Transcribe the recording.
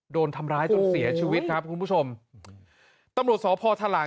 โดนทำร้ายจนเสียชีวิตครับคุณผู้ชมตำรวจสพทลาย